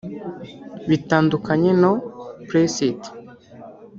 bitandukanye no Press It